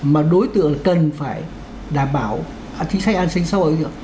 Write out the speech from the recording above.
mà đối tượng cần phải đảm bảo chính sách an sinh sâu ở giữa